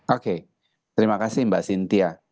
oke terima kasih mbak cynthia